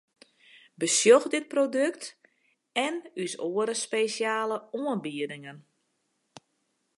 Besjoch dit produkt en ús oare spesjale oanbiedingen!